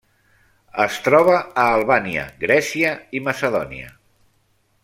Es troba a Albània, Grècia i Macedònia.